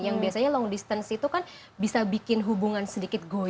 yang biasanya long distance itu kan bisa bikin hubungan sedikit gue